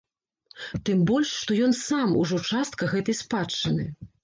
Тым больш што ён сам ужо частка гэтай спадчыны.